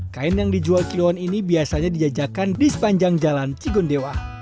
kain yang dijual kiloan ini biasanya dijajakan di sepanjang jalan cigondewa